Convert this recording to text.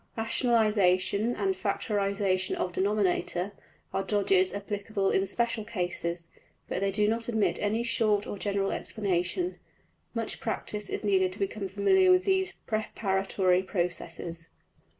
\textit{Rationalization}, and \textit{Factorization of Denominator} are dodges applicable in special cases, but they do not admit of any short or general explanation. Much practice is needed to become familiar with these preparatory processes.